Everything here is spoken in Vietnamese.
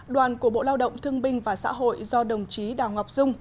đoàn của bộ lao động thương binh và xã hội do đồng chí đào ngọc dung